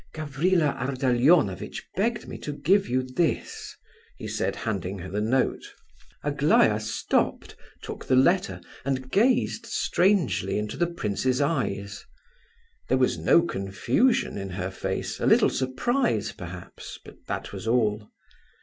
"Gavrila Ardalionovitch begged me to give you this," he said, handing her the note. Aglaya stopped, took the letter, and gazed strangely into the prince's eyes. There was no confusion in her face; a little surprise, perhaps, but that was all.